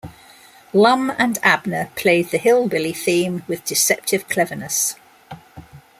Lum and Abner played the hillbilly theme with deceptive cleverness.